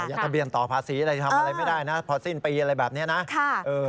ทะเบียนต่อภาษีอะไรทำอะไรไม่ได้นะพอสิ้นปีอะไรแบบนี้นะ